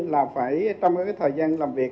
là phải trong thời gian làm việc